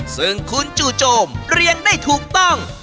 ซึ่งคุณจู่โจมเรียงได้ถูกต้อง